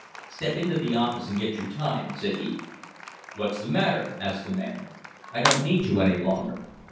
"Step into the office and get your time," said he. "What's the matter?" asked the man. "I don't need you any longer."